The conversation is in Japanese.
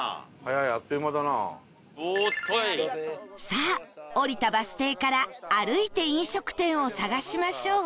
さあ降りたバス停から歩いて飲食店を探しましょう